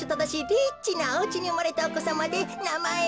リッチなおうちにうまれたおこさまでなまえを。